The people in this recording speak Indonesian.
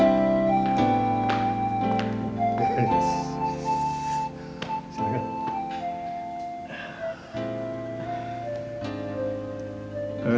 tadi saya langsung dari kantor ke kantor mas iwowo